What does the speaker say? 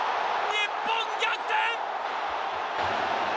日本、逆転。